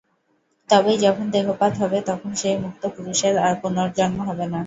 তবেই যখন দেহপাত হবে, তখন সেই মুক্ত পুরুষের আর পুনর্জন্ম হবে না।